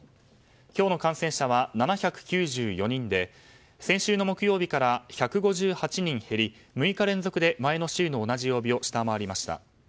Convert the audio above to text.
今日の感染者は７９４人で先週の木曜日から１５８人減り６日連続で前の週の同じ曜日を下回りました。